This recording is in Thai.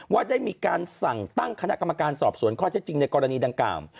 ว่าได้มีการสั่งตั้งคณะกรรมการสอบสวนข้อเท็จจริงในกรณีดังกล่าว